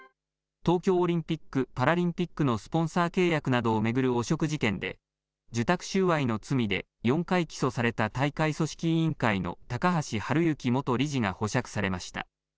東京オリンピック・パラリンピックのスポンサー契約などを巡る汚職事件で、受託収賄の罪で４回起訴された大会組織委員会の高橋治之元理事が保釈されました。